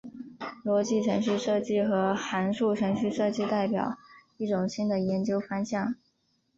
逻辑程序设计和函数程序设计代表一种新的研究方向。